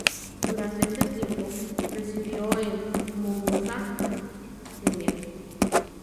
Durante este tiempo, residió en Mombasa, Kenya.